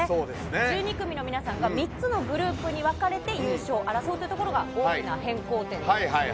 １２組の皆さんが３つのグループに分かれて、優勝を争うというところが大きな変更点です。